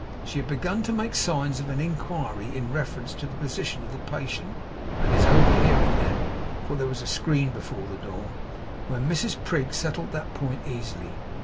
She had begun to make signs of inquiry in reference to the position of the patient and his overhearing them for there was a screen before the door when Mrs Prig settled that point easily.